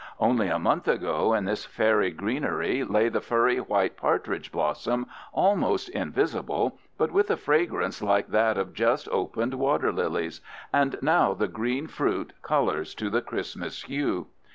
Only a month ago in this fairy greenery lay the furry white partridge blossom, almost invisible, but with a fragrance like that of just opened water lilies, and now the green fruit colors to the Christmas hue.